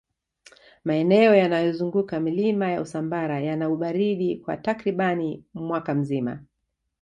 maeneo yanayozunguka milima ya usambara yana ubaridi kwa takribani mwaka mzima